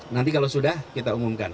nanti kalau sudah kita umumkan